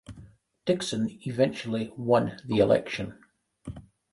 Dixon eventually won the election.